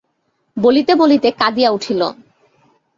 বলিতে বলিতে কাঁদিয়া উঠিল।